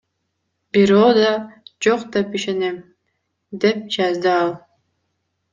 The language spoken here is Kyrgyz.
Бирөө да жок деп ишенем, — деп жазды ал.